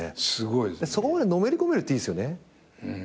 そこまでのめり込めるっていいっすよね。